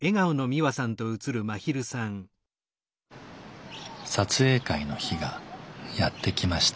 撮影会の日がやって来ました。